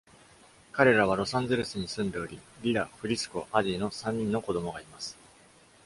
彼らは、ロサンゼルスに住んでおり、リラ、フリスコ、アディの三人の子供がいます。